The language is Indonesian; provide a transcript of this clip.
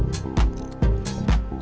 jalan atau pake motor